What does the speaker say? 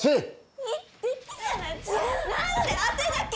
・何であてだけ？